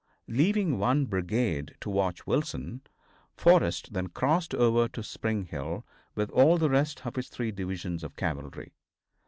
Leaving one brigade to watch Wilson, Forrest then crossed over to Spring Hill with all the rest of his three divisions of cavalry.